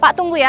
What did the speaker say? pak tunggu ya